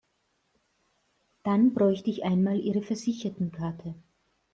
Dann bräuchte ich einmal ihre Versichertenkarte.